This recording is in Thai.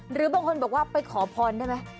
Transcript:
หรือบางคนบอกว่าไปขอพรได้ไหม